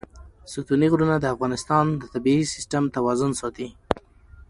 ستوني غرونه د افغانستان د طبعي سیسټم توازن ساتي.